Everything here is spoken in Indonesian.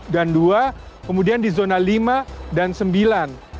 dan dua kemudian di zona lima dan sembilan